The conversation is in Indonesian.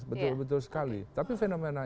betul betul sekali tapi fenomena